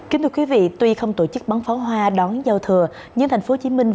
kính thưa quý vị tuy không tổ chức bắn pháo hoa đón giao thừa nhưng thành phố hồ chí minh